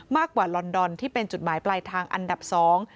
กว่าลอนดอนที่เป็นจุดหมายปลายทางอันดับสอง